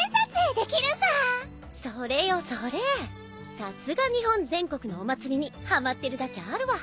さすが日本全国のお祭りにはまってるだけあるわ。